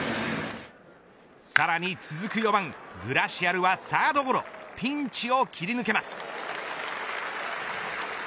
さらに続く４番グラシアルはサードゴロピンチを切り抜けます。